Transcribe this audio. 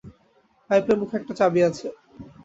পাইপের মুখে একটা চাবি আছে।